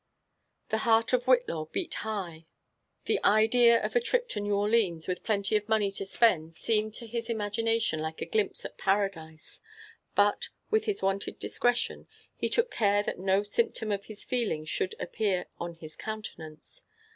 The heart of Whitlaw beat high. The idea of a trip (o New Orleans, with plenty of money to spend, seemed to his imagination like a glimpse at paradise; but, with his wonted discretion, he took care that no symptom of this feeling should appear on his countenance.